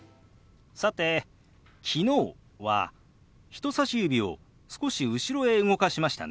さて「昨日」は人さし指を少し後ろへ動かしましたね。